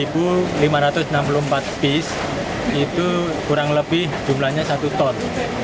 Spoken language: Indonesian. lima ratus enam puluh empat bis itu kurang lebih jumlahnya satu ton